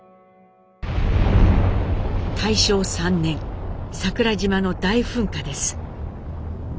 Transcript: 大正３年桜島の大噴火です。